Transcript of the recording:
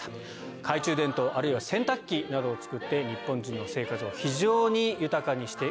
懐中電灯あるいは洗濯機などを作って日本人の生活を非常に豊かにしてくれた方です。